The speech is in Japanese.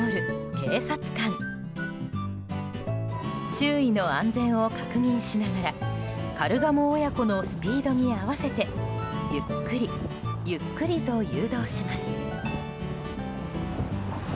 周囲の安全を確認しながらカルガモ親子のスピードに合わせてゆっくりゆっくりと誘導します。